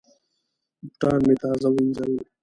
بوټان مې تازه وینځل.